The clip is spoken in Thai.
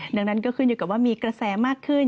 ดังนั้นก็ขึ้นอยู่กับว่ามีกระแสมากขึ้น